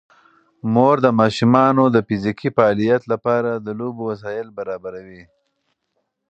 مور د ماشومانو د فزیکي فعالیت لپاره د لوبو وسایل برابروي.